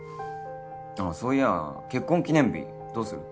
あっそういや結婚記念日どうする？